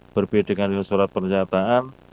berbeda dengan yang di surat pernyataan